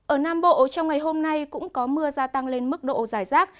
ở nam bộ trong ngày hôm nay cũng có mưa gia tăng lên mức độ dài rác